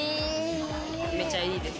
めっちゃいいです。